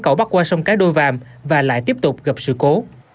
cầu bắt qua sông cái đôi vàm và lại tiếp tục gặp sự cố